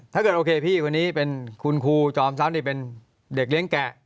ถ้าเกิดโอเคพี่คนนี้เป็นคุณครูจอมทรัพย์นี่เป็นเด็กเลี้ยงแกะ